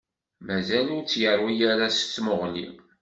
Mazal ur tt-yeṛwi ara s tmuɣli